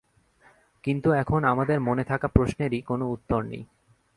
কিন্তু এখন আমাদের মনে থাকা প্রশ্নেরই কোনো উত্তর নেই।